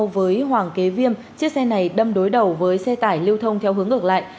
với hoàng kế viêm chiếc xe này đâm đối đầu với xe tải lưu thông theo hướng ngược lại